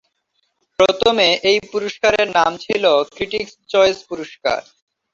প্রথমে এই পুরস্কারের নাম ছিল "ক্রিটিকস চয়েস পুরস্কার"।